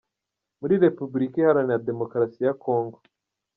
Muri Repubulika Iharanira Demokarasi ya Congo.